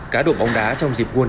cá độ bóng đá trong dịp quân